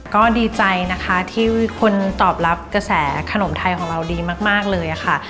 ก็ดีใจนะคะที่คนตอบรับกระแสขนมไทยของเราดีมากเลยค่ะ